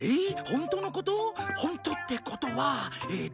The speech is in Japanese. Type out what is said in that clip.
ホントってことはえーと。